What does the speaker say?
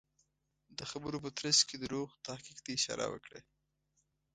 د خبرو په ترڅ کې دروغ تحقیق ته اشاره وکړه.